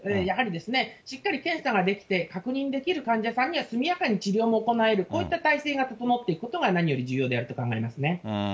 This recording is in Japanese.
やはりですね、しっかり検査ができて、確認できる患者さんには速やかに治療も行える、こういった体制が整っていくことが何より重要だと考えますね。